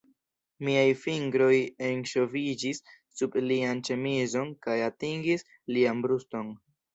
Miaj fingroj enŝoviĝis sub lian ĉemizon kaj atingis lian bruston.